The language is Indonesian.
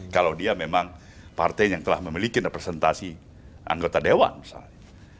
kalau dia memang partai yang telah memiliki representasi anggota dewan misalnya